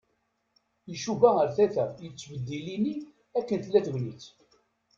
Icuba ar tata. Yettbeddil ini akken tella tegnit.